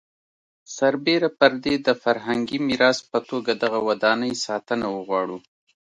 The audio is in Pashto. سربېره پر دې د فرهنګي میراث په توګه دغه ودانۍ ساتنه وغواړو.